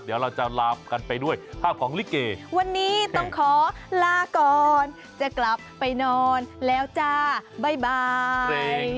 เดี๋ยวเราจะลากันไปด้วยภาพของลิเกวันนี้ต้องขอลาก่อนจะกลับไปนอนแล้วจ้าบ่าย